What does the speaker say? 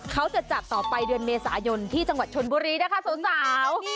เขาจะจัดต่อไปเดือนเมษายนที่จังหวัดชนบุรีนะคะสาว